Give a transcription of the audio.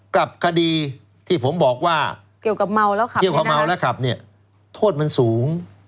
กับคดีที่ผมบอกว่าเกี่ยวกับเมาแล้วขับเนี่ยโทษมันสูง